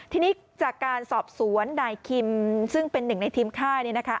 ทีนี้จากการสอบสวนนายคิมซึ่งเป็นหนึ่งในทีมฆ่าเนี่ยนะคะ